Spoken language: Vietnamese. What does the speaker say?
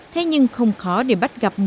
thế nhưng không khó để bắt gặp mọi người